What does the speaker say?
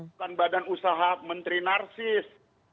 bukan badan usaha menteri narsis